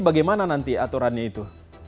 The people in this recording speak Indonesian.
bagaimana nanti aturannya itu